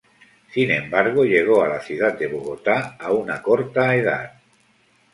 Sin embargo, llegó a la ciudad de Bogotá a una corta edad.